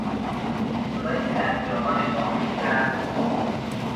صدایی که در بیابان اعلام میکرد...